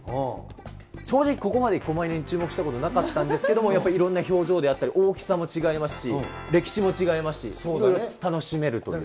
正直、ここまでこま犬に注目したことなかったんですけども、やっぱりいろんな表情であったり、大きさも違いますし、歴史も違いますし、楽しめるという。